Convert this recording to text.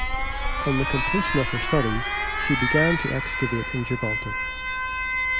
On the completion of her studies, she began to excavate in Gibraltar.